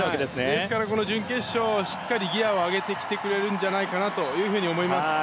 ですから準決勝はしっかりギアを上げてきてくれるんじゃないかなと思います。